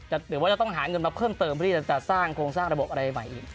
หรือว่าจะต้องหาเงินมาเพิ่มเติมเพื่อที่จะสร้างโครงสร้างระบบอะไรใหม่อีก